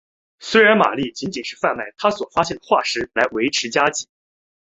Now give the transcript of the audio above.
虽然玛丽仅仅是贩卖她所发现的化石来维持家计。